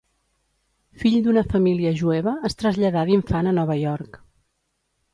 Fill d'una família jueva es traslladà d'infant a Nova York.